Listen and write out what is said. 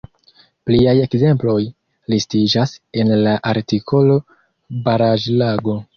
Pliaj ekzemploj listiĝas en la artikolo baraĵlago.